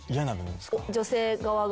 女性側が。